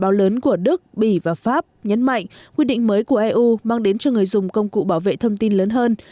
báo lớn của đức bỉ và pháp nhấn mạnh quy định mới của eu mang đến cho người dùng công cụ bảo vệ thông tin lớn hơn